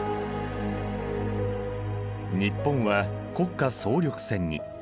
日本は国家総力戦に。